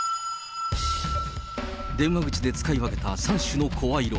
電話口で使い分けた３種の声色。